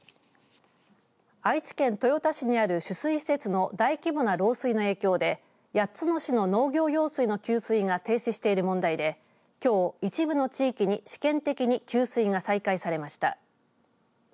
愛知県豊田市にある取水施設の大規模な漏水の影響で８つの市の農業用水の給水が停止している問題できょう、一部の地域に試験的に給水が再開されました。